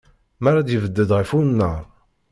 Mi ara d-yebded ɣef umnar.